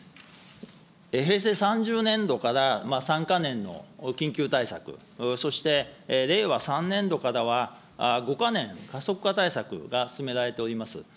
平成３０年度から３か年の緊急対策、そして令和３年度からは、５か年加速化対策が進められております。